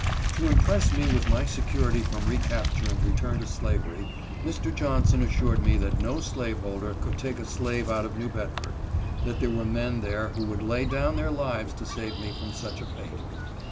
To impress me with my security from recapture and return to slavery, Mr. Johnson assured me that no slave holder could take a slave out of New Bedford; that there were men there who would lay down their lives to save me from such a fate.